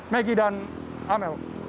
megi dan amel